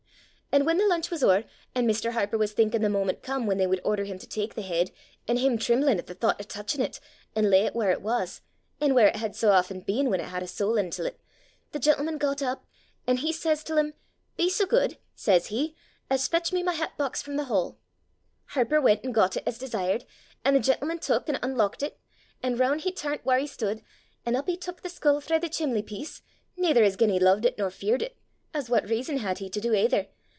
"An' whan the lunch was ower, an' Mr. Harper was thinkin' the moment come whan they would order him to tak the heid, an' him trimlin' at the thoucht o' touchin' 't, an' lay 't whaur it was an' whaur it had sae aften been whan it had a sowl intil 't, the gentleman got up, an' says he til him, 'Be so good,' says he, 'as fetch me my hat box from the hall.' Harper went an' got it as desired, an' the gentleman took an' unlockit it, an' roon' he turnt whaur he stood, an' up he tuik the skull frae the chimley piece, neither as gien he lo'ed it nor feared it as what reason had he to do either?